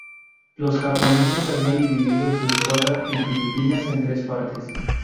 Los japoneses habían dividido su escuadra en Filipinas en tres partes.